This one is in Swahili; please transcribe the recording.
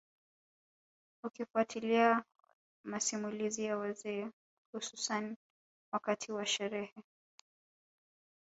Ukifuatilia masimulizi ya wazee hususani wakati wa sherehe